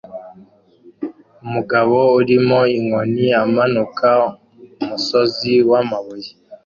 Umugabo urimo inkoni amanuka umusozi wamabuye